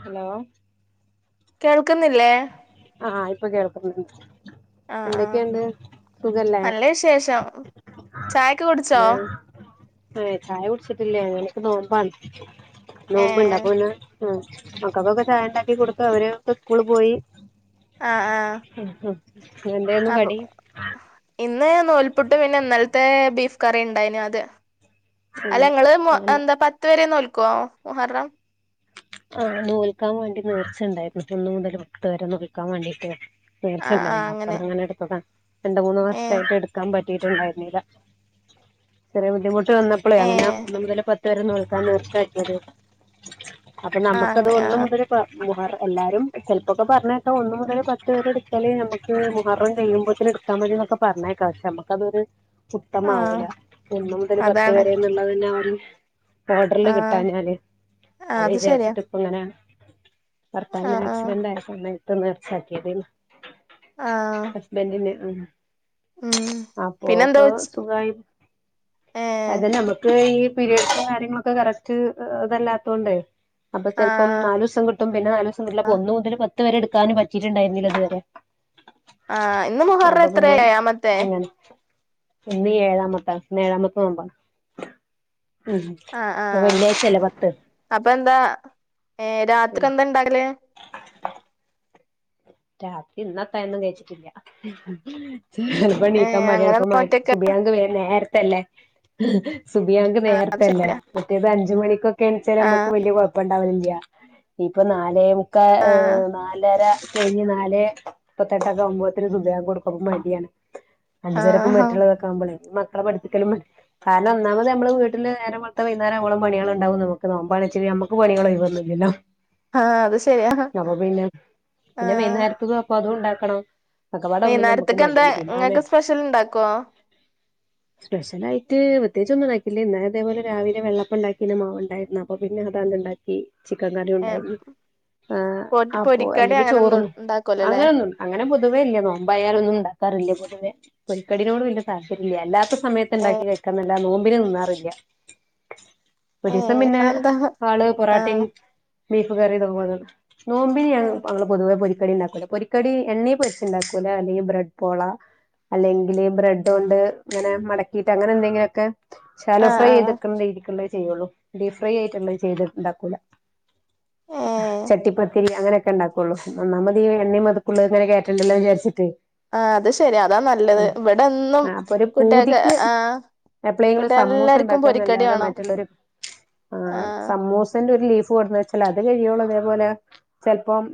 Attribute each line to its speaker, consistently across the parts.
Speaker 1: Hello
Speaker 2: കേൾ
Speaker 1: ആആ ഇപ്പൊ കേൾക്കുന്നുണ്ട്
Speaker 2: ആഹ് ആഹ്
Speaker 1: എന്തൊക്കെയുണ്ട് സുഖല്ലേ
Speaker 2: നല്ല വിശേഷം ചായൊക്കെ കുടിച്ചോ
Speaker 1: പിന്നെ ചായ കുടിച്ചിട്ടില്ലേ അങ്ങനെ [unintelligible] നോമ്പാണ് നോമ്പ്ണ്ട
Speaker 2: ഏഹ്
Speaker 1: [unintelligible] ആ മക്കക്കൊക്കെ ചായ ഉണ്ടാക്കി കൊടുത്തു അവര് [unintelligible] പോയി
Speaker 2: ആ ആ
Speaker 1: എന്തേന്നു കടി
Speaker 2: ഇന്ന് നൂൽപുട്ട് പിന്നെ ഇന്നലത്തെ ബീഫ് കറി ഉണ്ടായിന അത്
Speaker 1: ഉം
Speaker 2: അല്ല ങ്ങള് മൊ
Speaker 1: അങ്ങനെ
Speaker 2: എന്താ പത്ത് വരെ നോൽ കോ മുഹറം
Speaker 1: ആഹ് നോൽക്കാൻ വേണ്ടി നേർച്ചയുണ്ടായിരുന്നു ഒന്നു മുതൽ പത്ത് വരെ നോൽക്കാൻ വേണ്ടീട്ട്
Speaker 2: ആഹ് ആഹ്
Speaker 1: നേർച്ചണ്ടായിരുന്നു
Speaker 2: അങ്ങനെ
Speaker 1: അപ്പളങ്ങനെ എടുത്തത രണ്ട മൂന്ന്
Speaker 2: ഏഹ്
Speaker 1: വർഷമായിട്ട് എടുക്കാൻ പ [unintelligible] ഉണ്ടായിരുന്നില്ല ചെറിയ ബുദ്ധി മുട്ട് വന്നപ്പളെ അങ്ങനെ
Speaker 2: ഏഹ്
Speaker 1: [unintelligible] പത് തെറിനോൽക്കാൻ നീർച്ചയാക്കിയത് അപ്പ
Speaker 2: ആഹ്
Speaker 1: നമുക്കത്
Speaker 2: അങ്ങനെ
Speaker 1: ഒന്നും
Speaker 2: ആഹ്
Speaker 1: മുതല് പ മുഹറ എല്ലാരും ചെല് പ്പൊക്കെ പറഞ്ഞേക്കാം ഒന്നു മുതൽ പത്ത് വരേ എടുത്താല് നമക്ക് മുഹറം കഴിയുമ്പോത്തിന് ഇടുത്താ മതിന്നൊക്കെ പറഞ്ഞേക്കാം പക്ഷെ നമക്കതൊരു
Speaker 2: ആഹ്
Speaker 1: ചുട്ടമാവൂല ഒന്ന് മുതല് പത്ത്
Speaker 2: അതാണ്
Speaker 1: പരെ എന്ന്ള്ളത് തന്നെ ആവ ഓർഡ്രല്
Speaker 2: ആഹ്
Speaker 1: കിട്ടാഞ്ഞാഞാല്
Speaker 2: ആഹ്
Speaker 1: അത്
Speaker 2: ശരിയാ
Speaker 1: വിചാരിച്ചിട്ട് പ്പങ്ങനെ ഉം ഭർത്താവിന്
Speaker 2: ആഹ് ആഹ്
Speaker 1: ആക്സിഡന്റ് ആയ സമയത് പ്പം നേർച്ച ആക്കിയതേനി
Speaker 2: ആഹ്
Speaker 1: ഹസ്ബൻഡിന് ഉം
Speaker 2: ഉം പിന്നെന്താ
Speaker 1: അപ്പോക്ക്
Speaker 2: ഉച്
Speaker 1: സുഖായി
Speaker 2: ഏഹ്
Speaker 1: അത നമക്ക് ഈ പിരിയഡ്സ് കാര്യങ്ങളൊക്കെ കറക്റ്റ്തല്ലാ തൊണ്ടേ അപ്പൊ ചിലപ്പം
Speaker 2: ആഹ്
Speaker 1: നാലൂസം കിട്ടും പിന്നെ നലൂസം കിട്ടില്ലപ്പ ഒന്നു മുതൽ പത് പത്ത് വരെ എടുക്കാനും പറ്റിയിട്ടുണ്ടായിരുന്നില്ല ഇതുവരെ
Speaker 2: ആഹ് ഇന്ന് മുഹർ
Speaker 1: അപ്പൊ പിന്നെ
Speaker 2: എത്രേയാമത്തെേ
Speaker 1: അങ്ങനെ ഇന്ന് ഏഴാമത്തെന്ന് ഏഴാമത്തെ നോമ്പ ഉം അ വെള്ളിയാഴ്ചല്ല പത്ത്
Speaker 2: അപ്പ എന്താ ഏർ രാത്രി എന്താ ഇണ്ടാകല്
Speaker 1: രാത്രി ഇന്നത്തായൊന്നും കഴിച്ചിട്ടില്ല ചെപ്പ നീക്കാൻ
Speaker 2: ഏഹ്
Speaker 1: മടിയാണ്
Speaker 2: അങ്ങനെ
Speaker 1: പ്പം മഴ
Speaker 2: ഒറ്റക്ക്
Speaker 1: സുബിയാന്ത് നേര ല്ലേ സുബിയങ്ക്
Speaker 2: ആഹ് അത്
Speaker 1: നേരത്തെല്ലേ
Speaker 2: ശരിയാ
Speaker 1: മറ്റേത് അഞ്ചു മണിക്കൊക്കെ എണെച്ചാൽ നമുക്ക്
Speaker 2: ആഹ്
Speaker 1: വലിയ കുഴപ്പം ഇണ്ടാവലില്ല ഇപ്പൊ ന ലേമുക്കാ ഏ
Speaker 2: ആഹ്
Speaker 1: നാലര കഴിഞ്ഞ് നാലെ മുപ്പത്തെട്ടൊക്കെ ആകുമ്പോത്തിന് സുബിയാങ്ക് കൊടുക്കും അപ്പം മടിയാണ് അഞ്ചരക്കും
Speaker 2: ആഹ്
Speaker 1: മറ്റുള്ളതൊക്കെ ആവുമ്പളേ മ ക്കളെ പടിപ്പിക്കലും കാരണം ഒന്നാമത് നമ്മള് വീട്ടില് നേരം വെൾത്ത വൈന്നാരം ആകോളം പണികളണ്ടാവും നമുക്ക് നോമ്പാച്ചു നമുക്ക് പണികള് ഒഴിവൊന്നും ഇല്ലല്ലോ
Speaker 2: ആ അത് ശരിയാ
Speaker 1: പിന്നെ വൈകുന്നേരത്തതും അതൂണ്ടാക്കണം
Speaker 2: വൈകനേരത്തക്ക എന്താ ഇങ്ങക്ക് സ്പെഷ്യൽ ഇണ്ടാക്കോ
Speaker 1: സ്പെഷ്യലായിട്ട് പ്രത്യേകിച്ചൊന്നും ഇണ്ടാക്കില്ല ഇന്നലെ ഇതേപോലെ രാവിലെ വെള്ളപ്പം ഉണ്ടാക്കി മാവ് ഉണ്ടായിരുന്നു അപ്പൊ പിന്നെ അതാണ്ട് ഉണ്ടാക്കി ചിക്കൻ കറി
Speaker 2: ഏഹ്
Speaker 1: ഉണ്ടായിരുന്നു ആ
Speaker 2: പൊരി
Speaker 1: ആപ്പോ
Speaker 2: പൊരിക്കടി
Speaker 1: അല്ലെങ്കിൽ
Speaker 2: അങ്ങനൊന്നും
Speaker 1: ചോർന്ന
Speaker 2: ഇണ്ടാക്കൂലല്ലേ
Speaker 1: അങ്ങനൊന്നും അങ്ങനെ പൊതുവേ ഇല്ല നോമ്പായാലൊന്നും ഇണ്ട ക്കാറില്ല പൊതുവെ പോരിക്കടിനോട് വല്യ താല്പര്യല്ല അല്ലാത്ത സമയത്ത്
Speaker 2: ഏഹ്
Speaker 1: ഉണ്ടാക്കി കഴിക്കന്നല്ല നോ മ്പിന് തിന്നാറില്ല ഒരു ദിവസം
Speaker 2: ഏഹ്
Speaker 1: പിന്നെ
Speaker 2: അതെന്താ
Speaker 1: ആള്
Speaker 2: ആഹ്
Speaker 1: പൊറാട്ടയും ബീഫ് കറി [unintelligible] നോമ്പിനിയാണ് പൊതുവെ പൊരിക്കടി ഉണ്ടാക്കൂല പൊരിക്കടി എണ്ണേൽ പൊരിച്ച്ണ്ടാക്കൂല അല്ലെങ്കിൽ ബ്രെഡ് പോള അല്ലെങ്കില് ബ്രെഡ കൊണ്ട് ഇങ്ങനെ മടക്കിയിട്ട് അങ്ങനെ എന്തെങ്കിലൊക്കെ ശാലോ
Speaker 2: ആഹ്
Speaker 1: ഫ്രൈ
Speaker 2: ആഹ്
Speaker 1: ചെയ്തെക്കേണ്ട ഇരിക്കണ്ട ചെയ്യുള്ളൂ ഡീ ഫ്രൈ ആയിട്ട് ചെയ്ത് ഇണ്ടാക്കൂല
Speaker 2: ഏഹ്
Speaker 1: ചട്ടിപ്പത്തിരി അങ്ങനെ ഒക്കെ ഉണ്ടാക്കുള്ളൂ ഒന്നാമത് ഈ എണ്ണയും മെഴുക്കുള്ളത് ഇങ്ങനെ കേറ്റണ്ടല്ലോന്ന് വിചാരിച്ചിട്ടേയ്
Speaker 2: ആ അത് ശെരി അതാ നല്ലത് ഇവിടെന്നും
Speaker 1: ആ അപ്പൊ ഒരു
Speaker 2: കുട്ടികക്കെ
Speaker 1: പൂതിക്ക്
Speaker 2: ആ
Speaker 1: എപ്പളെങ്കിലും
Speaker 2: കുട്ടിക
Speaker 1: സമൂസ
Speaker 2: എല്ലാർക്കും പൊരിക്കടി
Speaker 1: ഉണ്ടാക്കാന്നല്ലാതെ
Speaker 2: വേണം
Speaker 1: മറ്റുള്ളൊരു
Speaker 2: ആ
Speaker 1: കൊടുന്ന്വെച്ചാ അത് കഴിയുമ്പോൾ ഇതേപോലെ ചിലപ്പം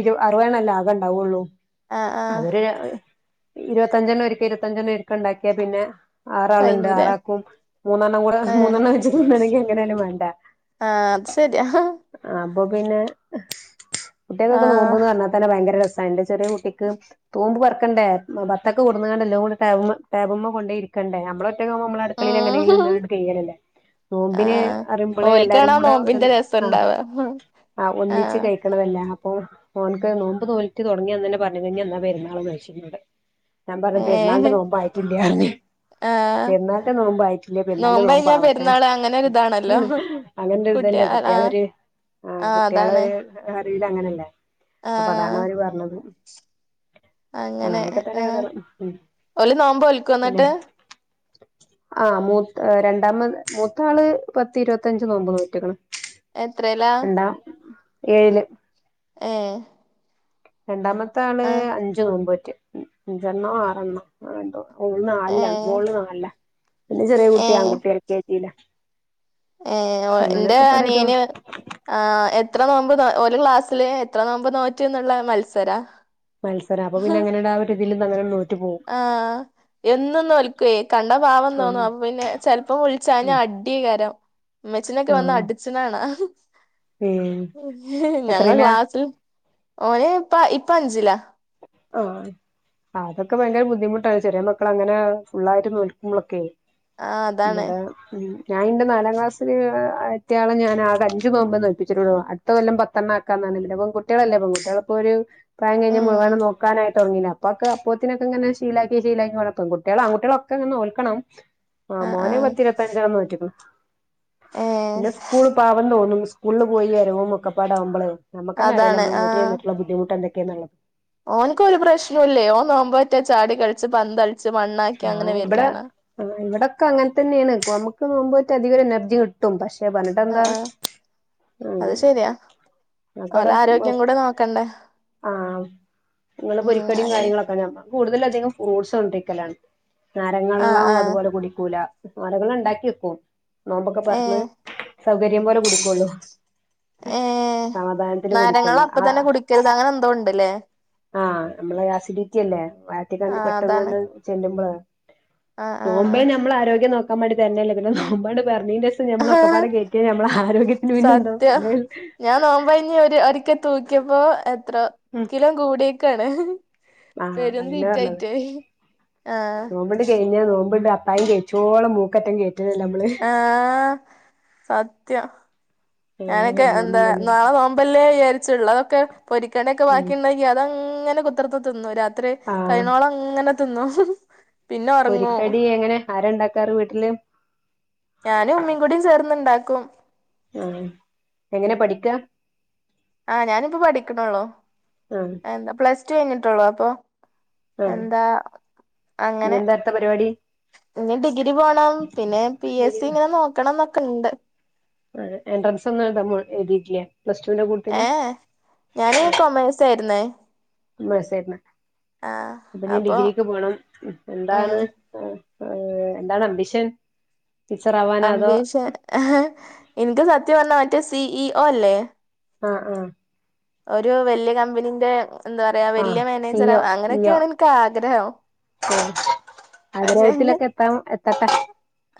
Speaker 1: ഇരു അറുപത് എണ്ണല്ലേ ആകെ ഉണ്ടാവുള്ളൂ
Speaker 2: ആഹ് ആഹ്
Speaker 1: അതൊരു ഇരുപത്തഞ്ചെണ്ണം ഒരിക്ക ഇരുപത്തഞ്ചെണ്ണം ഒരിക്ക ഉണ്ടാക്കിയാ പിന്നെ ആറെണ്ണണ്ട്
Speaker 2: കഴിഞ്ഞില്ലേ
Speaker 1: ആറാൾക്കും മൂന്നെണ്ണം കൂടെ
Speaker 2: ഏഹ്
Speaker 1: മൂന്നെണ്ണം വെച്ചിട്ട് വേണെങ്കി എങ്ങനാലും വേണ്ടെ
Speaker 2: ആഹ് അത് ശരിയാ
Speaker 1: ആ അപ്പൊ പിന്നെ കുട്ടികക്കൊക്കെ
Speaker 2: ആഹ്
Speaker 1: നോമ്പ്ന്ന് പറഞ്ഞ തന്ന ഭയങ്കര രസ ആ എന്റെ ചെറിയ കുട്ടിക്ക് തൂമ്പ് പറക്കണ്ടേ ബത്തൊക്കെ കൂടുന്നുകണ്ടല്ലോ കൂടെ ടാബുമ്മേ ടാബ്ലമ്മേ കൊണ്ടേ ഇരിക്കണ്ടേ നമ്മള [unintelligible] അടുക്കളയിൽ എങ്ങനേലും
Speaker 2: ഉം
Speaker 1: ഇരുന്നാണ്ട് കഴുകലല്ലേ നോമ്പിന്
Speaker 2: ആഹ്
Speaker 1: അറുമ്പോള്
Speaker 2: ഓൽക്കാണ്
Speaker 1: എല്ലാരും
Speaker 2: ആ
Speaker 1: കൂടെ
Speaker 2: നോമ്പിന്റെ രസം
Speaker 1: ആ
Speaker 2: ഉണ്ടാവ
Speaker 1: ആ ഒന്നിച്ച്
Speaker 2: ആഹ്
Speaker 1: കഴ ല്ല അപ്പൊ ഓനക്ക് നോമ്പ് നോറ്റു തുടങ്ങിയ അന്ന് തന്നെ പറഞ്ഞു കഴിഞ്ഞ എന്നാ പെരുന്നാൾ ആ ഘോഷിക്കുന്നത്. ഞാൻ
Speaker 2: ഏഹ്
Speaker 1: പറഞ്ഞുപെരുന്നാളിന്റെനോമ്പ് ആയിട്ടില്ല.
Speaker 2: ആഹ്
Speaker 1: പെരുന്നാളിന്റെനോമ്പ് ആയിട്ടില്ല. പെരുന്നാളിന്റെ നോമ്പ്
Speaker 2: കഴിഞ്ഞാ
Speaker 1: ആവട്ടെ
Speaker 2: പെരുന്നാള് അങ്ങനെ ഒരിതാണല്ലോ
Speaker 1: അങ്ങനെ ഒരു
Speaker 2: കുട്ടിയ
Speaker 1: ഇതല്ലേ
Speaker 2: ആഹ്
Speaker 1: കുട്ടികളൊരു ആ
Speaker 2: ആഹ്
Speaker 1: കുട്ടികള്
Speaker 2: അതാണ്
Speaker 1: കറിയിൽ അങ്ങനെയല്ലേ? അപ്പൊ അതാണ്
Speaker 2: ആഹ്
Speaker 1: അവര് പറഞ്ഞത്.
Speaker 2: അങ്ങനെ
Speaker 1: അങ്ങനെയൊക്കെ തന്നെ
Speaker 2: ആ
Speaker 1: കഥകള് ഉം
Speaker 2: ഓല് നോമ്പ് നോൽക്കുവോ
Speaker 1: പിന്നെ
Speaker 2: അന്നിട്ട്?
Speaker 1: ആ മൂത്ത രണ്ടാമത് മൂത്താള് പത്തി ഇരുപത്തഞ്ച് നോമ്പ് നോറ്റെക്കണു.
Speaker 2: എത്രയിലാ?
Speaker 1: ഏഴില്
Speaker 2: ആ
Speaker 1: രണ്ടാമത്തെ ആള് അഞ്ച് നോമ്പ് വെ അഞ്ചെണ്ണോ ആറെണ്ണവോ? ഓള് നാലിലാ
Speaker 2: ഏഹ്
Speaker 1: മോള് നാലിലാ. പിന്നെ ചെറിയ കുട്ടിയ ആൺകുട്ടി എൽ. കെ. ജി ഇല്ല
Speaker 2: ഏ ഒ എന്റെ അനിയന് ആ എത്ര നോമ്പ് ഒരു ക്ലാസ്സില് എത്ര നോമ്പ് നോറ്റ് എന്നുള്ള മത്സരാ.
Speaker 1: മത്സരം അപ്പൊ പിന്നെ അങ്ങനെ ഒരു വില്ലുന്നങ്ങനെ
Speaker 2: ആ എന്നും നോൽക്കുവേ. കണ്ടാ പാവം
Speaker 1: ഉം
Speaker 2: തോന്നു. അപ്പ പിന്നെ ചെലപ്പം വിളിച്ചാഞ്ഞ് അടികരം. മച്ചാനൊക്കെ വന്ന്
Speaker 1: ആഹ്
Speaker 2: അടിച്ചനെകാണാം.
Speaker 1: ഉം
Speaker 2: ഞങ്ങ
Speaker 1: എത്രയിലാ
Speaker 2: ക്ലാസ്സിൽ ഓന് ഇപ്പ ഇപ്പ അഞ്ചിലാ.
Speaker 1: ആ അതൊക്കെ ഭയങ്കര ബുദ്ധിമുട്ടാണ് ചെറിയ മക്കൾ അങ്ങനെ ഫുുള്ളായിട്ട് നോൽക്കുമ്പോളൊക്കെ?
Speaker 2: ആഹ് അതാണ്
Speaker 1: ഇവിടെ ഞാനിന്റെ നാലാം ക്ലാസ്സില് ആ ഇവിടുത്തെ ആളെഞാൻ ആ അഞ്ചു നോമ്പേ നോൽപ്പിച്ചിട്ടുള്ളു. അടുത്ത കൊല്ലം പത്തെണ്ണം ആക്കാനാണ്. പിന്നെ പെൺ കുട്ടികളല്ലേ? പെൺ കുട്ടികളിപ്പൊരു
Speaker 2: ഉം
Speaker 1: നോക്കാനായിട്ട്തുടങ്ങയില്ലെ അപ്പൊക്കെ അപ്പനക്കെങ്ങനെ ശീലാക്കി ശീലാക്കി കുഴപ്പം പെൺകുട്ടികളുംആൺ കുട്ടികളൊക്കെങ്ങനെ നോൽക്കണം. ആ
Speaker 2: ആഹ്
Speaker 1: മോനെ
Speaker 2: ആഹ്
Speaker 1: പത്തിരുപത്തിയഞ്ച് നോറ്റിയിരിക്കണു.
Speaker 2: ഏഹ്
Speaker 1: പിന്നെ സ്കൂളില് പാവെന്ന് തോന്നുന്നു. സ്കൂളില് പോയി അരവും ഒക്കപ്പാടവുമ്പളേ? നമ്മുക്ക് തന്നെ അറിയില്ല
Speaker 2: അതാണ്
Speaker 1: നമ്മ വീട്ടിൽ നിന്നിട്ടുള്ള ബുദ്ധിമൂട്ടുകളൊക്കെ. ക്കെന്നുള്ളത്.
Speaker 2: ഓനക്ക് ഒരു പ്രശ്നമില്ലേ ഓൻ നോമ്പു തോറ്റാചാടി കളിച്ച് പന്ത അ
Speaker 1: ആ ഇവിടെ ഇവിടൊക്കെ അങ്ങനെ തന്നെയാണ്. നമ്മുക്ക് നോമ്പ് അധികംഎനർജി കിട്ടും. പഷ പണ്ട് എന്താ
Speaker 2: ആഹ് ആഹ്
Speaker 1: ഉം.
Speaker 2: അത് ശെരിയാ ഓലെ
Speaker 1: നിക്കവിടെ
Speaker 2: ആരോഗ്യം കൂടെ നോക്കണ്ടേ
Speaker 1: ആ നിങ്ങള്
Speaker 2: ഉം
Speaker 1: പൊരിക്കടിയും
Speaker 2: അങ്ങനെ
Speaker 1: കാര്യങ്ങളൊക്കെ ഞമ്മ കൂടുതല അധികം ഫ്രൂട്ട്സ് കൊണ്ടിരിക്കലാണ്
Speaker 2: ആഹ്
Speaker 1: നാരങ്ങള്ളം
Speaker 2: ആഹ്
Speaker 1: അതുപോലെ കുടിക്കൂല അടകൾ ഉണ്ടാക്കി വെക്കും നോമ്പൊക്കെ പറന്നു
Speaker 2: ഏഹ്
Speaker 1: സൗകര്യം പോലെ കുടുക്കുള്ളൂ
Speaker 2: ഏ നരങ്ങ വെള്ളംഅപ്പ
Speaker 1: ആ
Speaker 2: തന്നെ കുടിക്കരുത് അങ്ങനെ എന്തോ ഉണ്ടല്ലേ
Speaker 1: ആഹ് നമ്മള് ആസിഡിറ്റി അല്ലേ വയറ്റ കണ്ടി
Speaker 2: ആഹ് അതാണ്
Speaker 1: പെട്ടെന്നാണ് ചെല്ലുമ്പോള്
Speaker 2: ആഹ്
Speaker 1: നോമ്പ നമ്മൾ ആരോഗ്യം നോക്ക ക്ക വേണ്ടിതന്നെയല്ലേ പിന്നെ നോമ്പങ്ങ പ ന്റസം
Speaker 2: ആഹ്
Speaker 1: മ്മളൊക്കൊപാടെ കേറ്റിയാ നമ്മള ആരോഗ്യത്തിന് പിന്നെന്തോ
Speaker 2: സത്യം
Speaker 1: നല്ല
Speaker 2: ഞാൻ നോമ്പഴിഞ്ഞ് ഒരു ഒരിക്കെ തൂക്കിയപ്പോ അത്ര കിലോ കൂടി ക്കണ
Speaker 1: ആഹ അതന്നെ പറഞ്ഞത്
Speaker 2: ആഹ്
Speaker 1: നോമ്പിണ്ട് കഴിഞ്ഞാ നോമ്പിണ്ട് അയിന് കഴിചോളം മൂക്റ്റംകേറ്റി
Speaker 2: ആഹ സത്യം
Speaker 1: ഉം
Speaker 2: ഞാനൊക്കെ എന്താ
Speaker 1: അതന്നല്ലേ
Speaker 2: നാളെ തോമ്പല്ലേ വിചാരിച്ചുള്ളതൊക്കെ പൊരിക്കണയൊക്കെ
Speaker 1: ഉം
Speaker 2: ബാക്കി ഉുണ്ടെങ്കി അത ഇങ്ങനെ കുത്തത്ര തിന്നു രാ
Speaker 1: ആഹ്
Speaker 2: ത്രികൈനോള അങ്ങനെ തിന്നു പിന്നെ ഉറങ്ങൂ
Speaker 1: പൊരിക്കടി എങ്ങനെ ആരാ ഇണ്ടാക്കാറ് വീട്ടില്
Speaker 2: ഞാനും ഉമ്മീ കൂടി ചേർന്നണ്ടാക്ക ക്കും
Speaker 1: ആ എങ്ങനെ പഠിക്ക
Speaker 2: ആഹ ഞാനിപ്പ പഠിക്കണള്ളോ
Speaker 1: ആഹ്
Speaker 2: എന്താ പ്ലസ് ടു കഴിഞ്ഞിട്ടുള്ളൂ അപ്പൊ
Speaker 1: ആഹ്
Speaker 2: എന്താ
Speaker 1: ഇനി
Speaker 2: അങ്ങനെ
Speaker 1: എന്താ അടുത്ത പരിപാടി
Speaker 2: ഇനി ഡിഗ്രി പോണം പിന്നെ പി എസ് സി ഇങ്ങനെ നോക്കണം എന്നൊക്കെ ക്കണ്ട്
Speaker 1: എൻട്രൻസ് ഒന്നും എഴുതഎഴുതിട്ടില്ല
Speaker 2: ഏ ഏഞാന് കൊമേഴ്സ്യ ആയിുന്നേ
Speaker 1: മേഴ്സായിരുന്ന അപ്പൊ നീ ഡിഗ്രിക്ക് പോണം
Speaker 2: ഉം
Speaker 1: എന്താണ് ഏർ എന്താണ് അംബിഷൻ ടീച്ചർ ആവാനോ അതോ
Speaker 2: അംബീഷൻ എനിക്ക് സത്യം പറഞ്ഞാ റ്റ സി ഇ ഓ അല്ലേ
Speaker 1: ആഹ് ആഹ
Speaker 2: ഒരു വല്യ കമ്പനീന്റെ എന്താ പറയാ
Speaker 1: ആഹ്
Speaker 2: വല്യയ
Speaker 1: C
Speaker 2: manager
Speaker 1: O C O
Speaker 2: അങ്ങനെയൊക്കെയാണ് ഇൻക്ക് ആഗ്രഹം.
Speaker 1: ആഹ്
Speaker 2: പക്ഷെ
Speaker 1: ആഗ്രഹത്തിലൊക്കെ എത്താൻ എത്തട്ടെ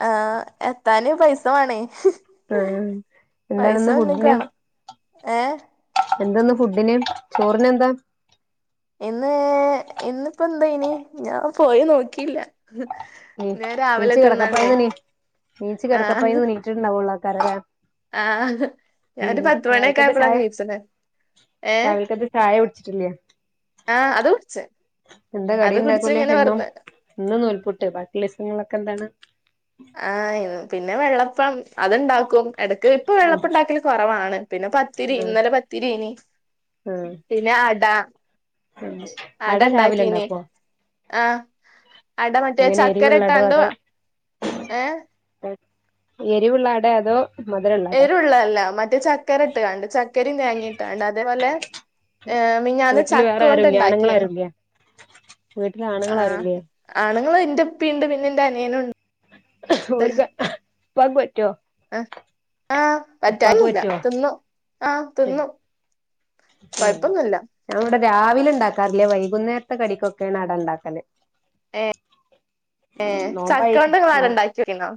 Speaker 2: ആഹ് എത്താന് പൈസ് [unintelligible]
Speaker 1: ആ എന്താണിന്ന് ഫുഡിന്
Speaker 2: ഏ
Speaker 1: എന്താ ഇന്ന് ഫുഡിന് ചോറിന് എന്താ
Speaker 2: ഇന്ന് ഇന്നിപ്പോ എന്താ ഇനി ഞാൻ പോയി നോക്കിയില്ല ഞാൻ
Speaker 1: മീച്ച
Speaker 2: രാവിലെ
Speaker 1: കിടക്കപ്പായെ
Speaker 2: തിന്നാണ്ടേ
Speaker 1: എണി മീച്ച
Speaker 2: ആഹ്
Speaker 1: കിടക്കപ്പായന്ന് നീട്ടിണ്ടാവൂള്ള [unintelligible]
Speaker 2: ആഹ് ഞാനൊരു പത്തുമണി യൊക്കെ
Speaker 1: രാവിലക്കത്തെ
Speaker 2: ആയപ്പോളാ
Speaker 1: ചായ
Speaker 2: എനിച്ചത് ഏർ
Speaker 1: രാവിലക്കത്തെ ചായ കുടിച്ചിട്ടില്ലേ
Speaker 2: ആഹ അത് കുടിച്ച്
Speaker 1: എന്താ കടി
Speaker 2: അത് കുടിച്ച്
Speaker 1: ഉണ്ടാക്കൂലേ
Speaker 2: ഇങ്ങനെ
Speaker 1: എന്നും
Speaker 2: വെറുതെ
Speaker 1: ഇന്ന് നൂൽപ്പുട്ട് ബാക്കിയുള്ള ദിവസങ്ങളിലൊക്കെ എന്താണ്
Speaker 2: ആ പിന്നെ വെള്ളപ്പം അത് ഇണ്ടാക്കും എടക്ക് ഇപ്പൊ
Speaker 1: ഉം
Speaker 2: വെള്ളപ്പുണ്ടാക്കല് കൊറവാണ് പിന്നെ പത്തിരി
Speaker 1: ആഹ്
Speaker 2: ഇന്നലെ പത്തിരിനി
Speaker 1: ആഹ്
Speaker 2: പിന്നെ അട
Speaker 1: ഉം
Speaker 2: അട
Speaker 1: രാവിലെ
Speaker 2: ഇണ്ടാക്കീന്
Speaker 1: ഉണ്ടാക്കുവോ
Speaker 2: ആഹ് അട മറ്റേ
Speaker 1: എങ്ങനെ
Speaker 2: ചക്കര
Speaker 1: എരിവുള്ള അടോ
Speaker 2: ഇട്ടാണ്ട്
Speaker 1: അതോ
Speaker 2: ഏ
Speaker 1: എരിവുള്ള അട അതോ മധുരള്ള അട
Speaker 2: എരുള്ളല്ല മറ്റേ ചക്കര ഇട്ട് കണ്ട് ചക്ക്- തേങ്ങേട്ട് അതേപോലെ ആഹ്
Speaker 1: വീട്ടില്
Speaker 2: മിനിഞ്ഞാന്ന്ചക്ക
Speaker 1: വേറെ
Speaker 2: കൊണ്ട്
Speaker 1: ആരുല്ലേ
Speaker 2: ഉണ്ടാക്കിയേന്
Speaker 1: ആണുങ്ങളാരുല്ലേ വീട്ടില്
Speaker 2: ആഹ്
Speaker 1: ആണുങ്ങളാരുല്ലേ
Speaker 2: ആണുങ്ങള് എൻ്റെ ഇപ്പയീണ്ട് പ് എൻറെ അനിയനും ഉണ്ട്-
Speaker 1: [unintelligible] ഒരു [unintelligible] ഉപ്പായ്ക്ക് പറ്റ്വോ?
Speaker 2: ആഹ് - ആഹ് പറ്റാനില്ല
Speaker 1: പറ്റോ
Speaker 2: തിന്നൂ- ആഹ് തിന്നും- കൊയപ്പൊന്നുല്ല -
Speaker 1: അവിടെ രാവിലെ ഉണ്ടാക്കാറില്ലേ വൈകുന്നേരത്തെ കടിക്കൊക്കെയാണ് അട ഉണ്ടാക്കല്
Speaker 2: ഏ എ
Speaker 1: നോമ്പായിട്ട്
Speaker 2: ചക്കകൊണ്ട് വാല്ണ്ടാക്കിന്നോ?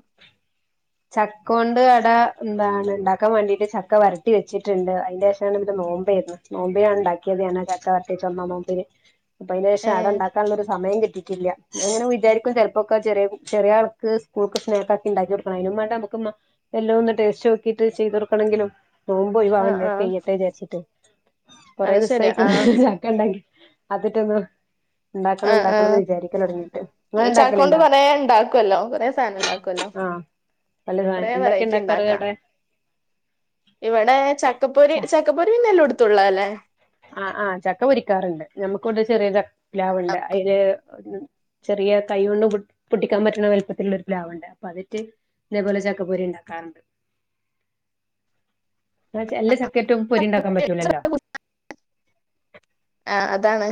Speaker 1: ചക്ക കൊണ്ട് അട എന്താണ് ഉണ്ടാക്കാൻ വേണ്ടീട്ട് ചക്ക വരട്ടി വെച്ചിട്ടുണ്ട് അതിന്റെ ശേഷമാണ് ഇബിടെ നോമ്പേർന്ന് നോമ്പിനാണ് ഉണ്ടാക്കിയത് ഞാൻ ചക്ക വരട്ടി ചോന്ന നോമ്പിന്- അപ്പം അതിനുശേഷം അട
Speaker 2: ഏഹ്
Speaker 1: ഉണ്ടാക്കാനുള്ള ഒരു സമയം കിട്ടി- റ്റില്ല ഞാൻ ഇങ്ങനെ വിചാരിക്കും ചെലപ്പോക്കെ ചെറിയ ചെറിയ ആൾക്ക് സ്കൂൾ സ്നേക്കൊക്കെ ഉണ്ടാക്കികൊടുക്കാൻ- അയിനും ബേണ്ടേ അമ്മക്ക് മ്മ എല്ലാം ഒന്ന് ടേസ്റ്റ് നോക്കിട്ട് ചെയ്ത്‌കൊടുക്കണെങ്കിലും- നോമ്പ്
Speaker 2: ആഹ്
Speaker 1: ഒഴിവാവണ്ടേ
Speaker 2: ആഹ്
Speaker 1: കെയ്യട്ടെ വിചാരിച്ചിട്ട് കൊറെേ
Speaker 2: അത് ശെരിയാ
Speaker 1: ദിവസമായിക്ക്ണ്
Speaker 2: ആഹ്
Speaker 1: ചക്ക ഉണ്ടാക്കി അതിട്ടൊന്നു
Speaker 2: ആഹ് ആഹ് ഉം ചക്കോണ്ട്
Speaker 1: ഉണ്ടാക്കലുണ്ടോ
Speaker 2: പലേ ഇണ്ടാക്കൊല്ലോ കൊറേ സാനം ഇണ്ടാക്കൊല്ലോ
Speaker 1: ആഹ് വല്ല
Speaker 2: കൊറേ
Speaker 1: എന്തൊക്കെ
Speaker 2: വെറൈറ്റി
Speaker 1: ഉണ്ടാക്കാറ്
Speaker 2: ഇണ്ടാക്ക
Speaker 1: അവിടെ
Speaker 2: ഇവിടെ ചക്കപ്പൊരി ചക്കപ്പൊരി പിന്നെല്ലോട് ത്തുള്ളാല്ലേ
Speaker 1: ആ ആ ചക്ക പൊരിക്കാറ്ണ്ട് ഞമ്മക്ക് ഇവിടെ ഒരു ചെറിയ ച പ്ലാവ്ണ്ട് അയില് ചെറിയ കൈ കൊണ്ട് പൊ പൊട്ടിക്കാൻ പറ്റ്ണ വലുപ്പത്തിലുള്ള ഒരു പ്ലാവുണ്ട് അപ്പൊ അതേറ്റ് ഇതേപോലെ ചക്കപ്പൊരി ഇണ്ടാക്കാറുണ്ട് അ എല്ലാ ചക്കേറ്റും പൊരി ഇണ്ടാക്കാൻ പറ്റൂലല്ലോ
Speaker 2: ആ അതാണ്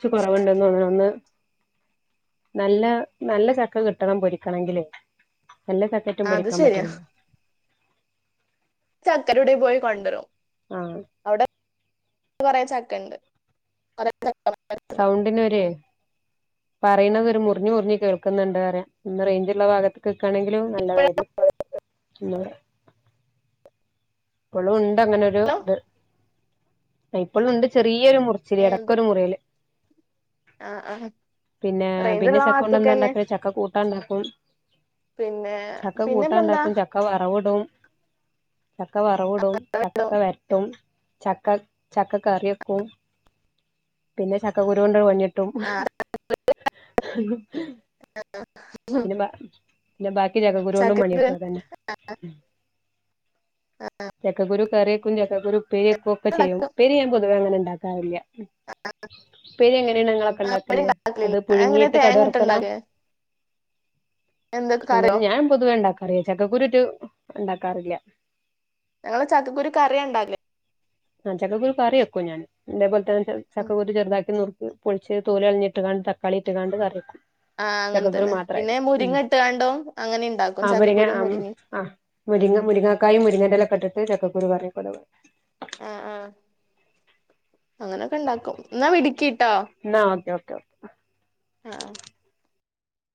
Speaker 1: ച്ച് കൊറവുണ്ടെ [unintelligible] നല്ല നല്ല ചക്ക കിട്ടണം പൊരിക്കണങ്കിലെയ് എല്ലാ ചക്കേറ്റും
Speaker 2: ആഹ് അത്
Speaker 1: പൊരിക്കാൻ
Speaker 2: ശെരിയാ
Speaker 1: പറ്റൂലല്ലോ
Speaker 2: ചക്കരവിടോ പോയി കൊണ്ടരും
Speaker 1: ആഹ്
Speaker 2: കൊറെ ചക്കണ്ട് [unintelligible]
Speaker 1: സൗണ്ടിനൊരെയ് പറയ്ണത് ഒരു മുറിഞ്ഞ് മുറിഞ്ഞ് കേൾക്കുന്നുണ്ട് പറയ ഒന്ന് റേഞ്ചുള്ള ഭാഗത്ത്ക്ക് നിക്കാണെങ്കിൽ
Speaker 2: ഇപ്പഴാണല്ലോ
Speaker 1: നല്ലതായിരുന്നു ഒന്നൂടെ ഇപ്പളുണ്ട് അങ്ങനൊരു ത് ഇപ്പളുണ്ട് ചെറി ഈരു മുറിച്ചല്
Speaker 2: ഏഹ് ഇത്
Speaker 1: ഇടക്കൊരു മുറിയല്
Speaker 2: ആഹ് ആഹ്
Speaker 1: പിന്നെ പിന്നെ
Speaker 2: റേഞ്ച്ള്ള
Speaker 1: ചക്ക കൊണ്ട് എന്താ
Speaker 2: ഭാഗത്തൊക്കെന്നെ
Speaker 1: ഉണ്ടാക്കാ ചക്ക കൂ
Speaker 2: പിന്നെ
Speaker 1: [inaudible] ചക്ക കൂട്ടാൻ
Speaker 2: പിന്നെപ്പെന്താ
Speaker 1: ഇണ്ടാക്കും ചക്ക വറവു ടും ചക്ക വറവിടും ചക്ക വരട്ടും ചക്ക ചക്ക കറിവെക്കും പിന്നെ ചക്കക്കുരു കൊണ്ട് ട്ടും
Speaker 2: ആഹ്
Speaker 1: പിന്നെ ബ നബാ ഈ ചക്കകുരു കൊണ്ടും പണി
Speaker 2: ചക്കക്കുരു
Speaker 1: കിട്ടും അതന്നെ ചക്കുരു കറിക്കും ചക്കുരു ഉപ്പേരി വെക്കും ഒക്കെ ചെയ്യും
Speaker 2: ഉണ്ടാക്കും
Speaker 1: ഉപ്പേരി ഞാൻ പൊതുവെ അങ്ങനെ ണ്ടാ കാര്യാ പ്പേരി എങ്ങനെയാണ് ഞങ്ങളൊക്കെ
Speaker 2: ആഹ് ഇവിടെ
Speaker 1: ഇണ്ടാക്കല്
Speaker 2: ഉണ്ടാക്കലില്ല
Speaker 1: അത്
Speaker 2: അങ്ങനെ
Speaker 1: പുഴുങ്ങിയിട്ട് കടു
Speaker 2: തേങ്ങട്ട്
Speaker 1: വർക്കലാ
Speaker 2: ഉണ്ടാക്കേ എന്തൊക്കെ കറിയോ
Speaker 1: ഇങ്ങനെ ഞാൻ പൊതുവേ ഇണ്ടാക്കറിയ ചക്കക്കരു ഉണ്ടാക്കാറില്ല
Speaker 2: ഞങ്ങള് ചക്കക്കുരു കറിയാണ്ടക്കല്
Speaker 1: ആ ചക്കക്കുരു കറി വെക്കും ഞാൻ ഇതേ പോലെത്തെന്നെ
Speaker 2: ഉം
Speaker 1: ചക്കക്കുരു ചെർതാക്കി നുർ പൊളിച്ച് തോലളഞ്ഞിട്ട്ങ്ങാണ്ട് തക്കാളി ഇട്ട്ങ്ങാണ്ട്കറി വെക്കും
Speaker 2: ആഹ് അങ്ങനെ
Speaker 1: ചക്കക്കുരു
Speaker 2: തന്നെ
Speaker 1: മാത്രായിറ്റ്
Speaker 2: പിന്നെ
Speaker 1: ഉം
Speaker 2: മുരിങ്ങ ഇട്ട്കാണ്ടും അങ്ങനെ ഉണ്ടാക്കും
Speaker 1: ആ മുരിങ്ങ
Speaker 2: ചക്കക്കുരും
Speaker 1: ആ
Speaker 2: മുരിങ്ങിം
Speaker 1: ആ മുരിങ്ങ മുരിങ്ങക്കായും മുരിങ്ങന്റെലൊക്കെ ഇട്ട് ചക്കക്കുരുക്കറിവെക്കലൊ
Speaker 2: ആഹ് ആഹ് അങ്ങനൊക്കെ ണ്ടാക്കും ന്നാ വിട്ക്കിട്ടോ
Speaker 1: ന്നാ ഓക്കെ ഓക്കെ ഓക്കെ
Speaker 2: ആഹ്